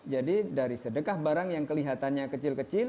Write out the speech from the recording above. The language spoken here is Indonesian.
jadi dari sedekah barang yang kelihatannya kecil kecil